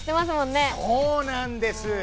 そうなんです